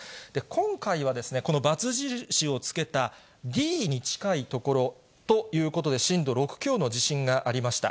今回はですね、この×印をつけたｄに近い所ということで、震度６強の地震がありました。